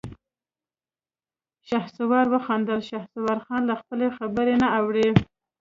شهسوار وخندل: شهسوارخان له خپلې خبرې نه اوړي.